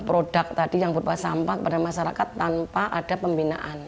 produk tadi yang berupa sampah kepada masyarakat tanpa ada pembinaan